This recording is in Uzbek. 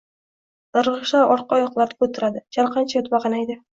Irg`ishlab orqa oyoqlariga o`tiradi; chalqancha yotib, ag`anaydi